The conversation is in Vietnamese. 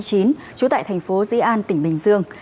trú tại thành phố dĩ an tỉnh bình dương